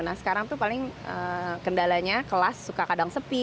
nah sekarang tuh paling kendalanya kelas suka kadang sepi